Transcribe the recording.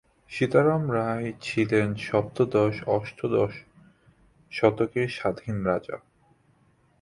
সীতারাম রায় ছিলেন সপ্তদশ-অষ্টাদশ শতকের স্বাধীন রাজা।